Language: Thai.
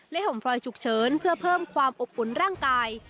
ห่มฟรอยฉุกเฉินเพื่อเพิ่มความอบอุ่นร่างกาย